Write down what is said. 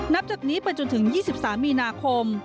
นับจากนี้ไปจนถึง๒๓มีนาคม